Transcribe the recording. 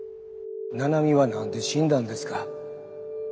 七海は何で死んだんですか。